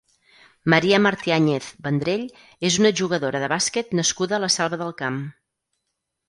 Maria Martiáñez Vendrell és una jugadora de bàsquet nascuda a la Selva del Camp.